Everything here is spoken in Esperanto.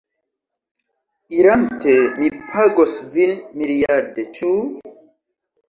Irante, mi pagos vin miriade. Ĉu?